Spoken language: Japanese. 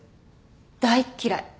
大っ嫌い。